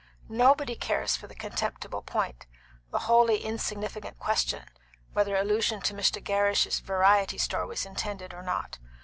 Nobody cares for the contemptible point, the wholly insignificant question, whether allusion to Mr. Gerrish's variety store was intended or not.